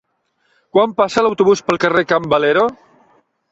Quan passa l'autobús pel carrer Can Valero?